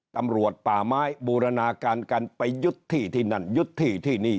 ตำรวจป่าไม้บูรณาการกันไปยึดที่ที่นั่นยึดที่ที่นี่